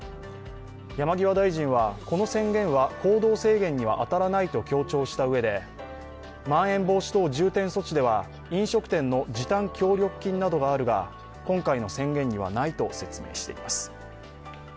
山際大臣はこの宣言は行動制限には当たらないと強調したうえでまん延防止等重点措置では飲食店の時短協力金などがあるが今回の宣言にはないと説明しています。